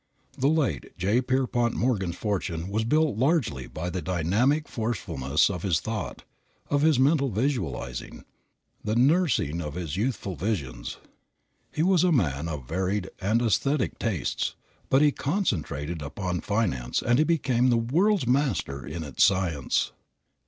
The late J. Pierpont Morgan's fortune was built largely by the dynamic forcefulness of his thought, of his mental visualizing, the nursing of his youthful visions. He was a man of varied and æsthetic tastes, but he concentrated upon finance and he became the world's master in its science.